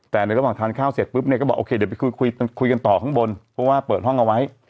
แต่ในระหว่างทานข้าวเสร็จปุ๊บเนี่ยก็บอกโอเคเดี๋ยวไปคุยกันต่อข้างบนเพราะว่าเปิดห้องเอาไว้